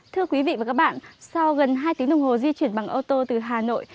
thưa quý vị và các bạn sau gần hai tiếng đồng hồ di chuyển bằng ô tô từ hà nội